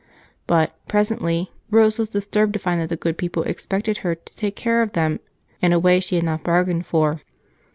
But, presently, Rose was disturbed to find that the good people expected her to take care of them in a way she had not bargained for.